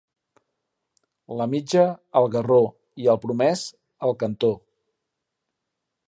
La mitja al garró i el promès al cantó.